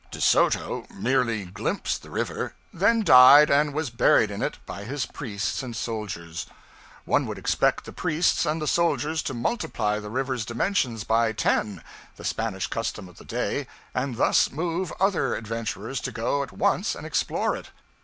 De Soto merely glimpsed the river, then died and was buried in it by his priests and soldiers. One would expect the priests and the soldiers to multiply the river's dimensions by ten the Spanish custom of the day and thus move other adventurers to go at once and explore it.